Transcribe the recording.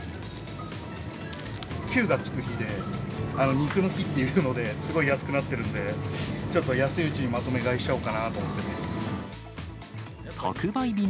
９がつく日で、肉の日っていうので、すごい安くなってるんで、ちょっと安いうちにまとめ買いしちゃおうかなと思ってね。